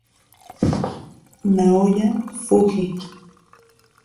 Naoya Fuji